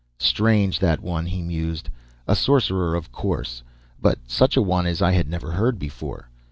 "Strange, that one," he mused. "A sorcerer, of course, but such a one as I had never heard before.